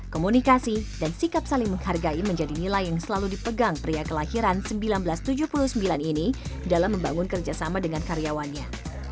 komunikasi dan sikap saling menghargai menjadi nilai yang selalu dipegang pria kelahiran seribu sembilan ratus tujuh puluh sembilan ini dalam membangun kerjasama dengan karyawannya